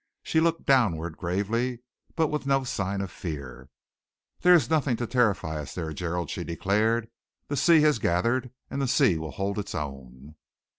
She looked downward gravely but with no sign of fear. "There is nothing to terrify us there, Gerald," she declared. "The sea has gathered, and the sea will hold its own."